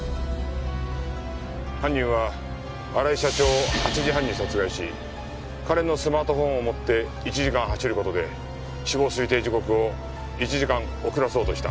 犯人は荒井社長を８時半に殺害し彼のスマートフォンを持って１時間走る事で死亡推定時刻を１時間遅らそうとした。